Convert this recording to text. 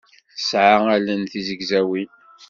Tesɛa allen d tizegzawin.